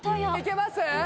・いけます？